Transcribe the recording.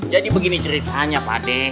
jadi begini ceritanya pak de